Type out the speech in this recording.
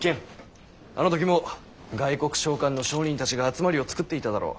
あの時も外国商館の商人たちが集まりを作っていただろう。